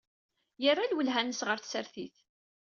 Yerra lwelha-nnes ɣer tsertit.